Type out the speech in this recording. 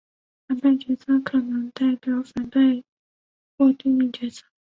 反派角色可能代表反派或对立角色。